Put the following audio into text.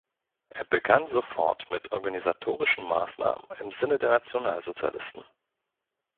Er begann sofort mit organisatorischen Maßnahmen im Sinne der Nationalsozialisten.